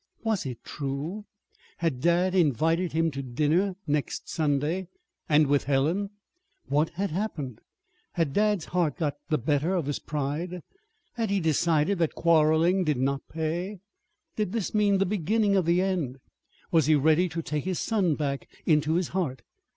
Was it true? Had dad invited him to dinner next Sunday? And with Helen? What had happened? Had dad's heart got the better of his pride? Had he decided that quarreling did not pay? Did this mean the beginning of the end? Was he ready to take his son back into his heart?